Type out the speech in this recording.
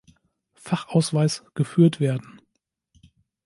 Fachausweis geführt werden.